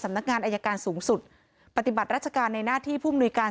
นักงานอายการสูงสุดปฏิบัติราชการในหน้าที่ผู้มนุยการ